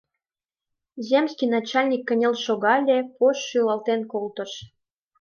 Земский начальник кынел шогале, пож-ж шӱлалтен колтыш.